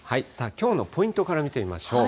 きょうのポイントから見てみましょう。